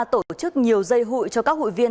tổ chức nhiều dây hụi cho các hội viên